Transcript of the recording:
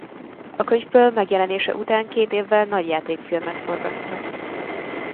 A könyvből megjelenése után két évvel nagyjátékfilmet forgattak.